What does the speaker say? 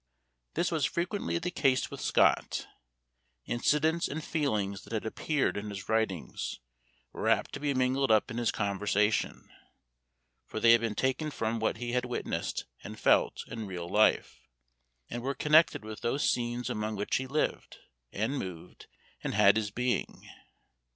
This was frequently the case with Scott; incidents and feelings that had appeared in his writings, were apt to be mingled up in his conversation, for they had been taken from what he had witnessed and felt in real life, and were connected with those scenes among which he lived, and moved, and had his being.